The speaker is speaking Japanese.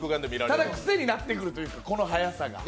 ただ、癖になってくるというか、この速さが。